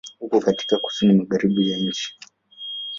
Uko katika Kusini Magharibi ya nchi.